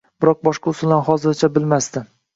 Biroq boshqa usullarni hozircha bilmasdi